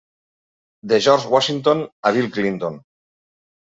De George Washington a Bill Clinton.